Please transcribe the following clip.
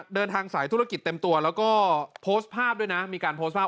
เดินทางสายธุรกิจเต็มตัวแล้วก็โพสต์ภาพด้วยนะมีการโพสต์ภาพ